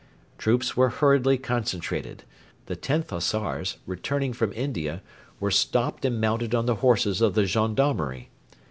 Troops were hurriedly concentrated. The 10th Hussars, returning from India, were stopped and mounted on the horses of the gendarmerie.